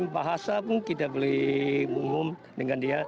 bahasa pun kita boleh mengumum dengan dia